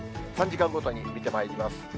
３時間ごとに見てまいります。